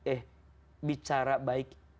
eh bicara baik